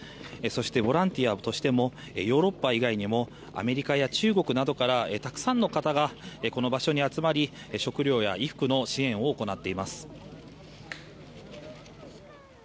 そしてボランティアとしてもヨーロッパ以外にもアメリカや中国などからたくさんの方がこの場所に集まり食料や衣服の支援を行っています。